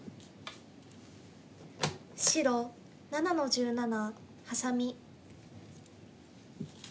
白７の十七ハサミ。